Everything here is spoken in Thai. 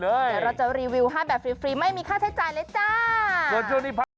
เดี๋ยวเราจะรีวิวให้แบบฟรีไม่มีค่าใช้จ่ายเลยจ้า